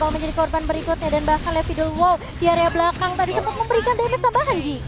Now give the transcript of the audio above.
yang menjadi korban berikutnya dan bahkan levital wow di area belakang tadi cukup memberikan damage tambahan sih